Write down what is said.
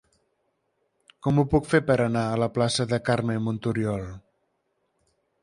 Com ho puc fer per anar a la plaça de Carme Montoriol?